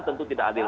tentu tidak adil